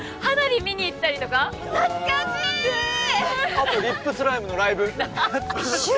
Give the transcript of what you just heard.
あとリップスライムのライブ懐かしい！